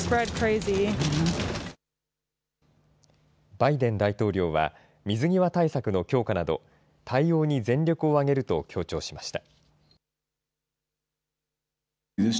バイデン大統領は水際対策の強化など、対応に全力を挙げると強調しました。